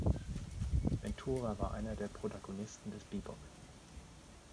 Ventura war einer der Protagonisten des Bebop.